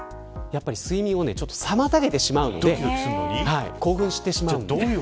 睡眠を妨げてしまうので興奮してしまうので。